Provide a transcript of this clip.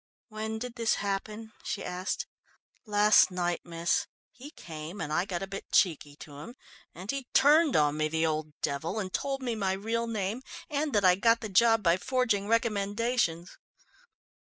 "When did this happen?" she asked. "Last night, miss. He came and I got a bit cheeky to him, and he turned on me, the old devil, and told me my real name and that I'd got the job by forging recommendations."